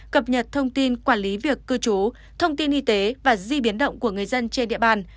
cập nhật thông tin quản lý việc cư trú thông tin y tế và di biến động của người dân trên địa bàn